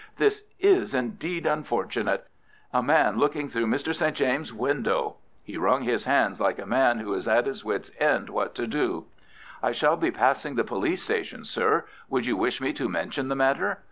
This is, indeed, unfortunate! A man looking through Mr. St. James's window!" He wrung his hands like a man who is at his wits' end what to do. "I shall be passing the police station, sir. Would you wish me to mention the matter?"